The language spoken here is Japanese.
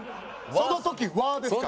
「その時は」ですから。